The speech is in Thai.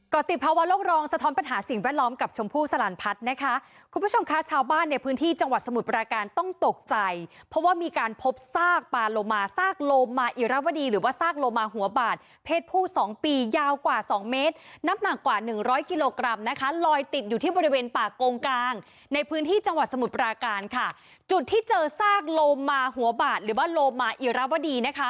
ก่อติดภาวะโลกรองสะท้อนปัญหาสิ่งแวดล้อมกับชมพู่สลานพัฒน์นะคะคุณผู้ชมค่ะชาวบ้านในพื้นที่จังหวัดสมุทรปราการต้องตกใจเพราะว่ามีการพบซากปลาลมาซากโลมาอิราวดีหรือว่าซากโลมาหัวบาดเพศผู้๒ปียาวกว่า๒เมตรน้ำหนักกว่า๑๐๐กิโลกรัมนะคะลอยติดอยู่ที่บริเวณป่ากงกลางในพื้นที่